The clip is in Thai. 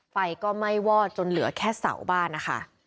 ไฟก็ไหม้วอดจนเหลือแค่เสาบ้านนะคะ